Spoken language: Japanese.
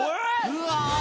うわ！